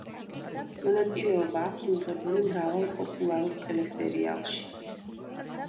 მონაწილეობა აქვს მიღებული მრავალ პოპულარულ ტელესერიალში.